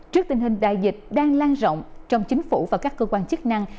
trước tình hình đại dịch đang lan rộng trong chính phủ và các cơ quan chức năng